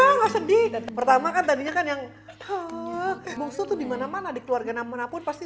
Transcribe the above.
nggak sedih pertama katanya kan yang bongso tuh dimana mana dikeluarga namun apun pasti